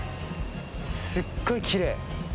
すっごいきれい。